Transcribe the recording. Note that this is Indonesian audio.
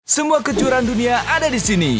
semua kejuaraan dunia ada di sini